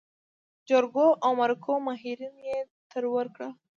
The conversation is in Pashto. د جرګو او مرکو ماهرين يې ترور کړل.